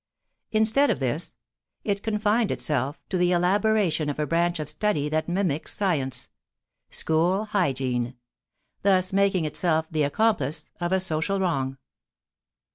Instead of this, it confined itself to the elaboration of a branch of study that mimics science: school hygiene; thus making itself the accomplice of a social wrong.